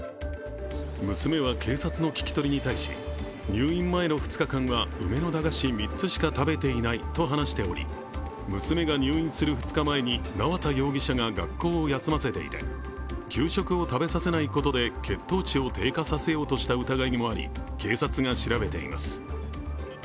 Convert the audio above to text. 娘は警察の聞き取りに対し入院前の２日間は梅の駄菓子３つしか食べていないと話しており娘が入院する２日前に、縄田容疑者が学校を休ませていて給食を食べさせないことで血糖値を低下させようとした疑いもあり警察が調べています。